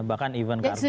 bahkan event kartu